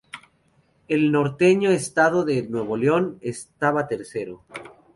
El norteño estado de Nuevo León estaba tercero.